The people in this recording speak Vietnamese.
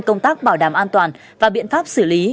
công tác bảo đảm an toàn và biện pháp xử lý